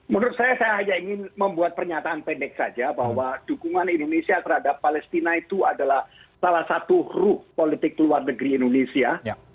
menurut saya saya hanya ingin membuat pernyataan pendek saja bahwa dukungan indonesia terhadap palestina itu adalah salah satu ruh politik luar negeri indonesia